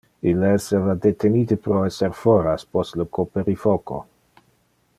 Ille esseva detenite pro esser foras post le coperifoco.